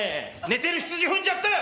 寝てるヒツジ踏んじゃったよ！